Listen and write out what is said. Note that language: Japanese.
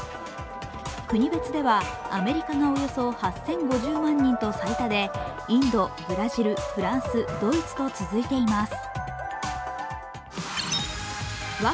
国別では、アメリカがおよそ８０５０万人と最多で、インド、ブラジル、フランスドイツと続いています。